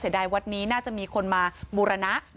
เสียดายวันนี้น่าจะมีคนมาบุรณะ